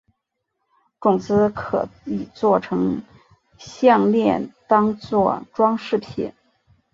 种子可以作成项炼当作装饰品。